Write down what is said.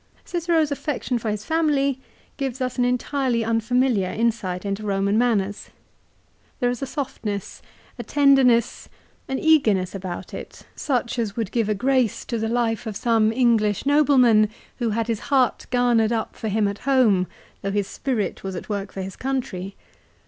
Cicero's affection for his family gives us an entirely un familiar insight into Koman manners. There is a softness, a tenderness, an eagerness about it, such as would give a grace to the life of some English nobleman who had his VOL. II. D D 402 LIFE OF CICERO. heart garnered up for him at home, though his spirit was at work for his country.